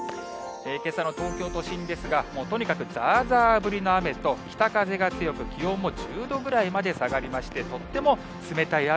けさの東京都心ですが、とにかくざーざー降りの雨と、北風が強く、気温も１０度ぐらいまで下がりまして、とっても冷たい雨。